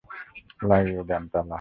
লাগিয়ে দেন তালা।